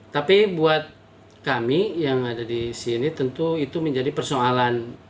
tapi buat kami yang ada di sini tentu itu menjadi persoalan